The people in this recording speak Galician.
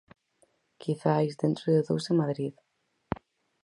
Quizais, dentro de dous en Madrid.